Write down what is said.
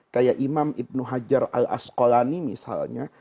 kayak imam ibnu hajar al askolani misalnya